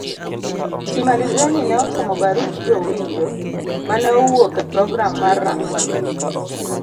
Chimalizeni ne osomo barup jowinjo ma ne owuok e program mar rang'ong